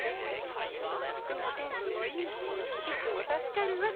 ちづるは服のセンスもいいしいつも助かるわ。